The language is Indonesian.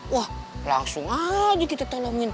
wah langsung aja kita tolongin